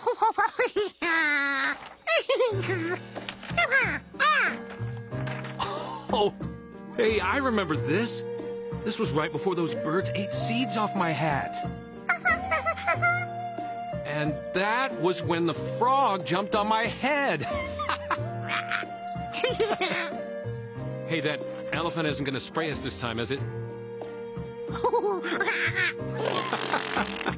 ハハハハハ！